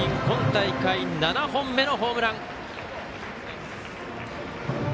今大会７本目のホームラン。